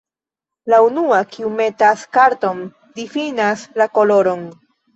La unua, kiu metas karton difinas la koloron.